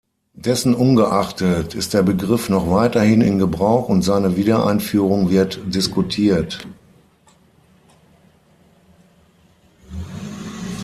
Dessen ungeachtet ist der Begriff noch weiterhin in Gebrauch und seine Wiedereinführung wird diskutiert.